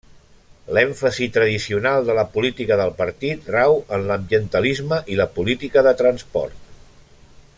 L'èmfasi tradicional de la política del partit rau en l'ambientalisme i la política de transport.